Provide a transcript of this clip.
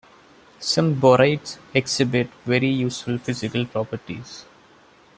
Some borides exhibit very useful physical properties.